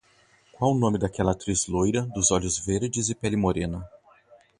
Qual o nome daquela atriz loira, dos olhos verdes e pele morena?